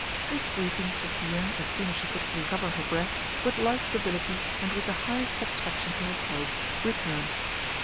This greeting Sophia, as soon as she could recover her breath, with like civility, and with the highest satisfaction to herself, returned.